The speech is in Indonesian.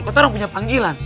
keturang punya panggilan